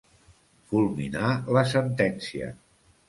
Fulminar la sentència.